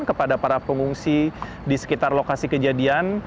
kepada para pengungsi di sekitar lokasi kejadian